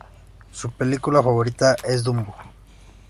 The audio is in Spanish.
Su película favorita es "Dumbo".